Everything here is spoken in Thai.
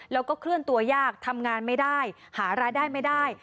แล้วก็เคลื่อนตัวยากทำงานไม่ได้หารายได้ไม่ได้